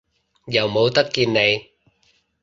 又冇得見你